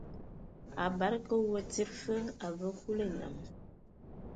A bade ka we tsid fa, a vaa Kulu enam.